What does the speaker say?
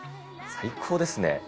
最高ですね。